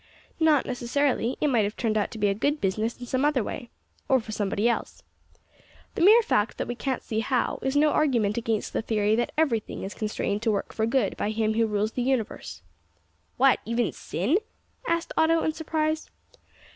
"Not necessarily it might have turned out to be a good business in some other way, or for somebody else. The mere fact that we can't see how, is no argument against the theory that everything is constrained to work for good by Him who rules the universe." "What! even sin?" asked Otto, in surprise.